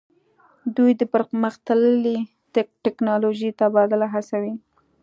دوی د پرمختللې ټیکنالوژۍ تبادله هڅوي